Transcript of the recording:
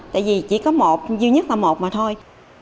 tại vì chỉ có một duy nhất là một mà thôi